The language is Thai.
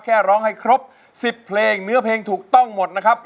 ร้องให้ครบ๑๐เพลงเนื้อเพลงถูกต้องหมดนะครับ